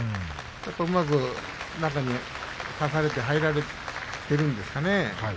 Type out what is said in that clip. うまく中に差されて入られているんですかね。